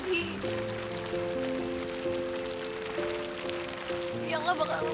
dia gak bakal kembali ke ibu